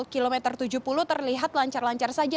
kilometer tujuh puluh terlihat lancar lancar saja